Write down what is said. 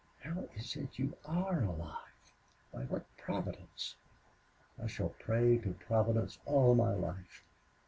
How is it you are alive? By what Providence?... I shall pray to Providence all my life.